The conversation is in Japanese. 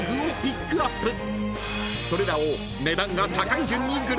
［それらを］